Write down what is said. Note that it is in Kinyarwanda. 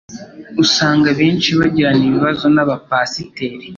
usanga benshi bagirana ibibazo n'aba pasiteri